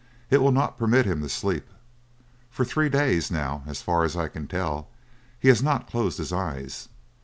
It will not permit him to sleep. For three days, now, as far as I can tell, he has not closed his eyes.